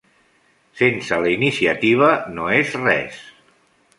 Sense la Iniciativa, no és res.